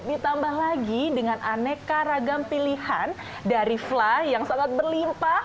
ditambah lagi dengan aneka ragam pilihan dari fla yang sangat berlimpah